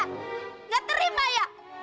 nggak terima ya